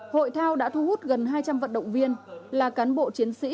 hội thao đã thu hút gần hai trăm linh vận động viên là cán bộ chiến sĩ